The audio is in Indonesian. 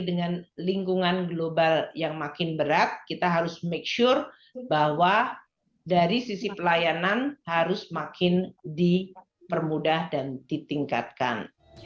dengan lingkungan global yang makin berat kita harus make sure bahwa dari sisi pelayanan harus makin dipermudah dan ditingkatkan